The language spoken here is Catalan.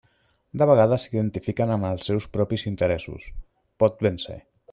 De vegades s'identifiquen amb els seus propis interessos, pot ben ser.